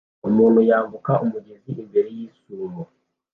Umuntu yambuka umugezi imbere yisumo